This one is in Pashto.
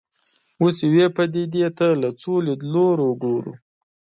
اوس یوې پدیدې ته له څو لیدلوریو ګورو.